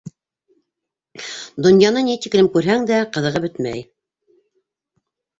Донъяны ни тиклем күрһәң дә ҡыҙығы бөтмәй.